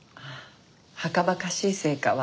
はかばかしい成果は。